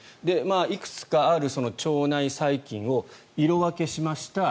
いくつかある腸内細菌を色分けしました。